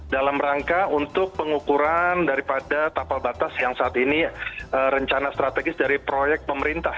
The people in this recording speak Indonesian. dalam rangka untuk pengukuran daripada tapal batas yang saat ini rencana strategis dari proyek pemerintah